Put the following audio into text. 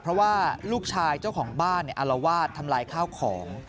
เพราะว่าลูกชายเจ้าของบ้านอารวาสทำลายข้าวของ